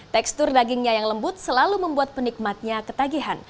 tekstur dagingnya yang lembut selalu membuat penikmatnya ketagihan